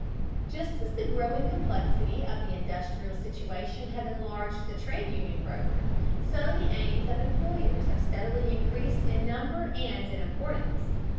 Just as the growing complexity of the industrial situation has enlarged the trade union program, so the aims of employers have steadily increased in number and in importance.